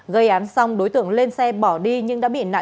gây án xong đối tượng lên xe bỏ đi nhưng đã bị nạn